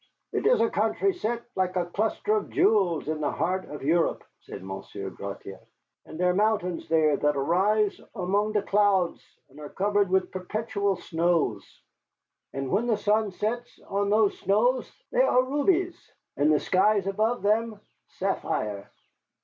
"It is a country set like a cluster of jewels in the heart of Europe," said Monsieur Gratiot, "and there are mountains there that rise amon the clouds and are covered with perpetual snows. And when the sun sets on those snows they are rubies, and the skies above them sapphire."